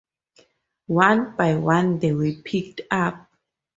One by one they were picked up.